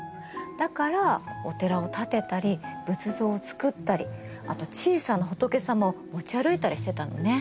だからお寺を建てたり仏像をつくったりあと小さな仏様を持ち歩いたりしてたのね。